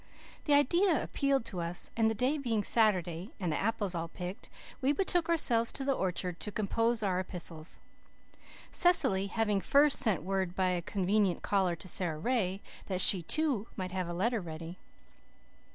The idea appealed to us; and, the day being Saturday and the apples all picked, we betook ourselves to the orchard to compose our epistles, Cecily having first sent word by a convenient caller to Sara Ray, that she, too, might have a letter ready.